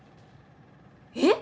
えっ！？